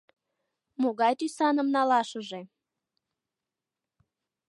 Могай тӱсаным налашыже?